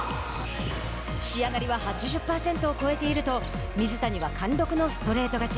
「仕上がりは８０％を超えている」と水谷は貫禄のストレート勝ち。